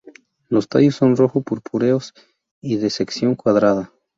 Los tallos son rojo purpúreos y de sección cuadrada.